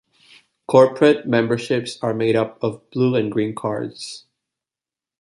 Corporate memberships are made up of Blue and Green Cards.